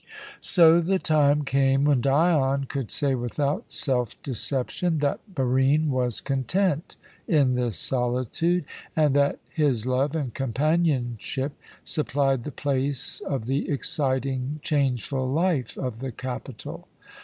So the time came when Dion could say without self deception that Barine was content in this solitude, and that his love and companionship supplied the place of the exciting, changeful life of the capital.